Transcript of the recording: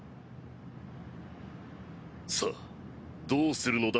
さあどうするのだ？